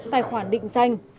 tài khoản định danh xác thực điện tử